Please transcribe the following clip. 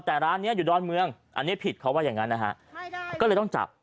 แต่ร้านนี้อยู่ดอนเมืองอันนี้ผิดเขาว่าอย่างงั้นนะฮะก็เลยต้องจับ